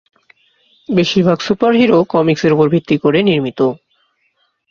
বেশিরভাগ সুপারহিরো কমিক্সের উপর ভিত্তি করে নির্মিত।